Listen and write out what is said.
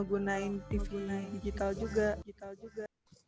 gunain tv digital juga